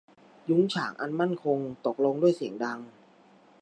ยุ้งฉางอันมั่นคงตกลงด้วยเสียงดัง